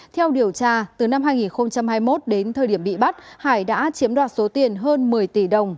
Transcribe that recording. theo điều tra từ năm hai nghìn hai mươi một đến thời điểm bị bắt hải đã chiếm đoạt số tiền hơn một mươi tỷ đồng